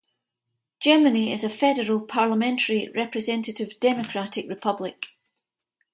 Germany is a federal, parliamentary, representative democratic republic.